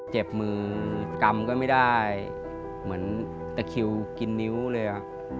เจ็บมือกำก็ไม่ได้เหมือนตะคิวกินนิ้วเลย